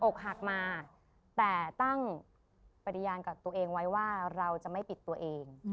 อกหักมาแต่ตั้งปริญญาณกับตัวเองไว้ว่าเราจะไม่ปิดตัวเอง